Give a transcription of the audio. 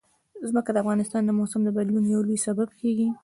ځمکه د افغانستان د موسم د بدلون یو لوی سبب کېږي.